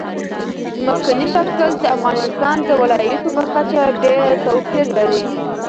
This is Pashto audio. ځمکنی شکل د افغانستان د ولایاتو په کچه ډېر توپیر لري.